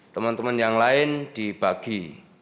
teman teman yang lain dibagi